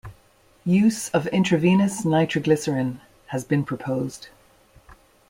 Use of intravenous nitroglycerin has been proposed.